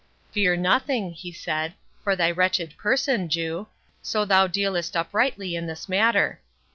"Fear nothing," he said, "for thy wretched person, Jew, so thou dealest uprightly in this matter.